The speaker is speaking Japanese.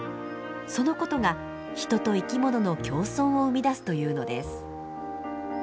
そのことが人と生き物の共存を生み出すというのです。